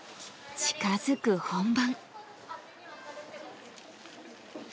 近づく本番。